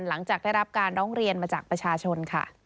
หลังจากได้รับการร้องเรียนมาจากประชาชนค่ะ